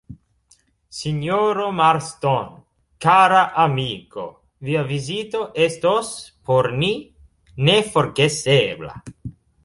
Sinjoro Marston, kara amiko, via vizito estos por ni neforgesebla.